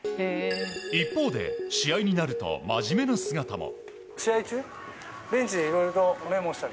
一方で試合になるとまじめな姿も。